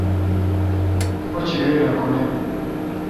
اوچھی وین ہکہ نہ۔